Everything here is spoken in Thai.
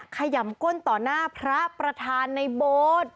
ขยำก้นต่อหน้าพระประธานในโบสถ์